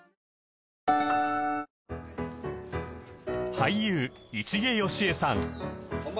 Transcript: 俳優市毛良枝さん